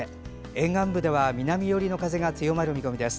沿岸部では南寄りの風が強まる見込みです。